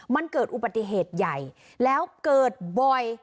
มันเกิดอุบัติเหตุใหญ่แล้วเกิดบ่อย